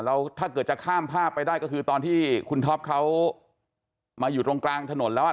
แล้วถ้าเกิดจะข้ามภาพไปได้ก็คือตอนที่คุณท็อปเขามาอยู่ตรงกลางถนนแล้วอ่ะ